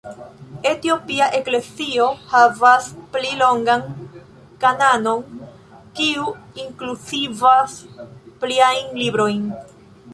La etiopia eklezio havas pli longan kanonon kiu inkluzivas pliajn librojn.